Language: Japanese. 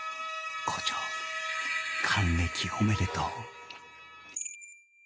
校長還暦おめでとう